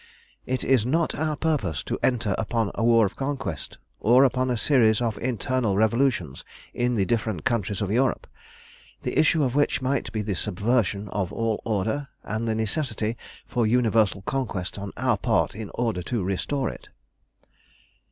"It is not our purpose to enter upon a war of conquest, or upon a series of internal revolutions in the different countries of Europe, the issue of which might be the subversion of all order, and the necessity for universal conquest on our part in order to restore it.